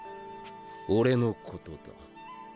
俺のことだ。